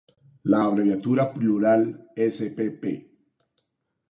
La abreviatura plural "spp.